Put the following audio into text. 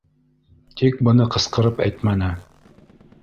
Тик быны ҡысҡырып әйтмәне.